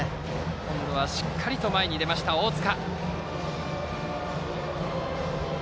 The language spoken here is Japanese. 今度はしっかり前に出ました大塚。